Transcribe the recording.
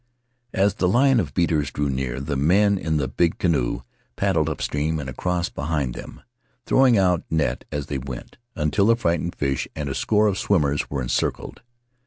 As the line of beaters drew near, the men in the big In the Valley of Vaitia canoe paddled upstream and across behind them, throwing out net as they went, until the frightened fish and a score of swimmers were encircled.